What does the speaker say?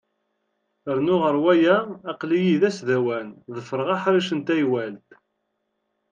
Rnu ɣer waya, aql-iyi d asdawan, ḍefreɣ aḥric n taywalt.